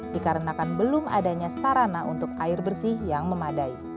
dikarenakan belum adanya sarana untuk air bersih yang memadai